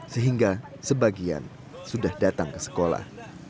sehingga sebagian sudah datang ke sekolah